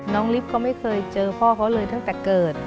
น้องลิฟก็ไม่เคยเจอพ่อเขาเลยตั้งแต่เกิด